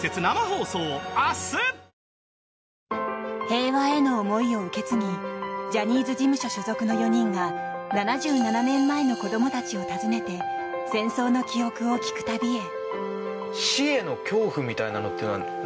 平和への思いを受け継ぎジャニーズ事務所所属の４人が７７年前の子供たちを訪ねて戦争の記憶を聞く旅へ。